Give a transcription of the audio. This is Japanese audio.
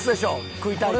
食いたい度。